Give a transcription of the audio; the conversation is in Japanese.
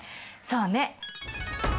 そうね！